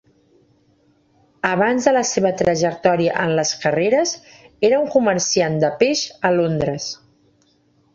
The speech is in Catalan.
Abans de la seva trajectòria en les carreres, era un comerciant de peix a Londres.